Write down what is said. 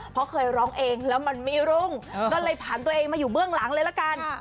เพราะเคยร้องเองแล้วมันไม่รุ่งก็เลยผ่านตัวเองมาอยู่เบื้องหลังเลยละกัน